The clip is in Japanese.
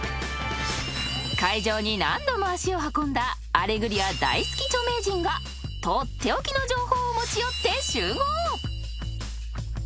［会場に何度も足を運んだ『アレグリア』大好き著名人が取って置きの情報を持ち寄って集合］